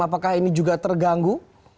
apakah ini juga terganggu